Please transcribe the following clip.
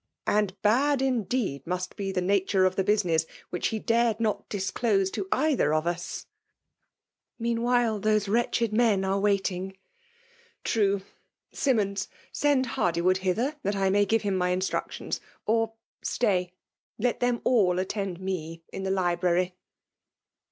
" And bad indeed must be the nature of the business which he dared not disdose to either of us." '^ Meanwhile these wretched men are wait« *)<" True !— Simmons, send Hardywood hither, that I may give him my instructions. Or stay !— let them all attend me in the library.